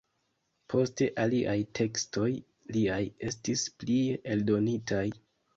Poste aliaj tekstoj liaj estis plie eldonitaj.